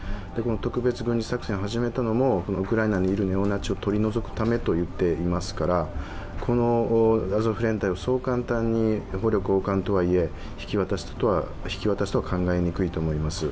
特別軍事作戦を始めたのもウクライナにいるネオナチを取り除くためと言っていますから、このアゾフ連隊をそう簡単に捕虜交換とはいえ、引き渡すとは考えにくいと思います。